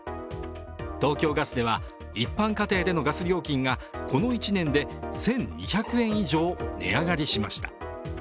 東京ガスでは、一般家庭でのガス料金がこの１年で１２００円以上値上がりしました。